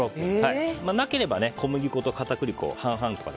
なければ小麦粉と片栗粉半々で。